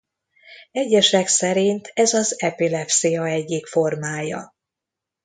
Egyesek szerint ez az epilepszia egyik formája.